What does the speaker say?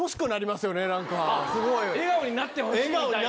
笑顔になってほしいみたいな。